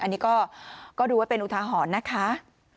อันนี้ก็ดูไว้เป็นอุทาหรณ์นะคะ